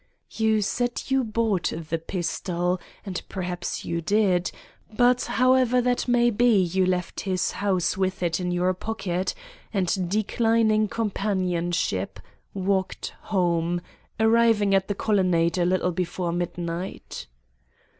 "You say you bought the pistol, and perhaps you did, but, however that may be, you left his house with it in your pocket and, declining companionship, walked home, arriving at the Colonnade a little before midnight.